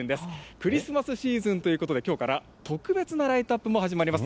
クリスマスシーズンということで、きょうから特別なライトアップも始まります。